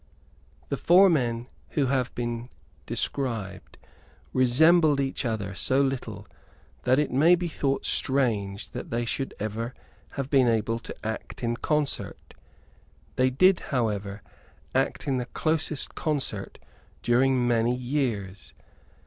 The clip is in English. The four men who have been described resembled each other so little that it may be thought strange that they should ever have been able to act in concert. They did, however, act in the closest concert during many years.